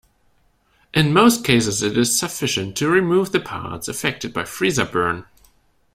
In most cases, it is sufficient to remove the parts affected by freezer burn.